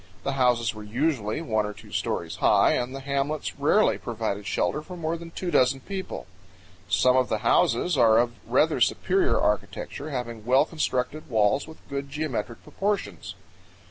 The houses were usually one or two stories high and the hamlets rarely provided shelter for more than two dozen people. Some of the houses are of rather superior architecture, having well constructed walls with good geometric proportions.